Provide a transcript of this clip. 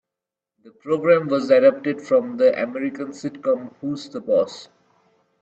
The programme was adapted from the American sitcom "Who's the Boss?".